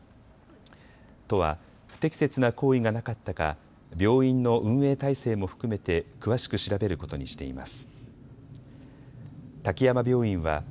都は不適切な行為がなかったか病院の運営体制も含めて詳しく調べることにしています。